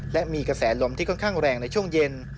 และมีกระแสลมที่ค่อนข้างแรงในช่วงเย็น